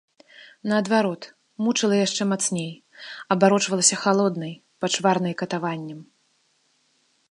Наадварот, мучыла яшчэ мацней, абарочвалася халоднай, пачварнай катаваннем.